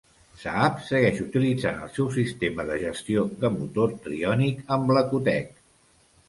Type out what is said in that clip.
Saab segueix utilitzant el seu sistema de gestió de motor Trionic amb l'Ecotec.